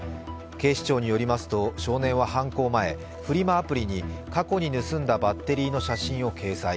警視庁によりますと少年は犯行前、フリマアプリに、過去に盗んだバッテリーの写真を掲載。